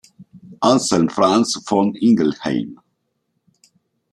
Anselm Franz von Ingelheim